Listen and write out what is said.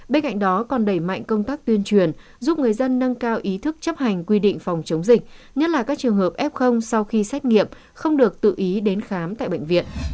bên cạnh đó còn đẩy mạnh công tác tuyên truyền giúp người dân nâng cao ý thức chấp hành quy định phòng chống dịch nhất là các trường hợp f sau khi xét nghiệm không được tự ý đến khám tại bệnh viện